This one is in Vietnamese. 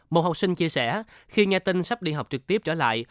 một học sinh chia sẻ khi nghe tin sắp đi học trực tiếp trở lại